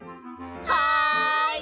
はい！